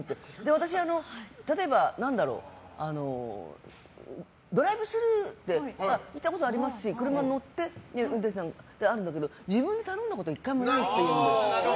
私、例えば、ドライブスルーって行ったことありますし車に乗って運転手さんってあるんだけど自分で頼んだことは１回もないっていう。